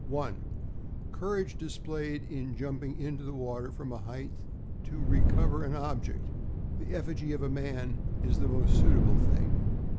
Courage displayed in jumping into the water from a height to" recover an object. The effigy of a man is the most suitable thing.